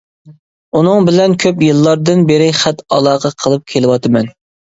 ئۇنىڭ بىلەن كۆپ يىللاردىن بېرى خەت ئالاقە قىلىپ كېلىۋاتىمەن.